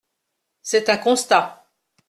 C’est un constat.